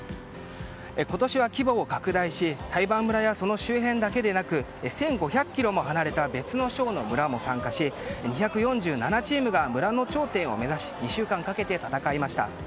今年は規模を拡大し台盤村やその周辺だけでなく１５００ｋｍも離れた別の省の村も参加し２４７チームが村の頂点を目指し２週間かけて戦いました。